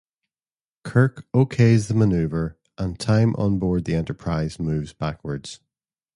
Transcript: Kirk okays the maneuver, and time on board the "Enterprise" moves backwards.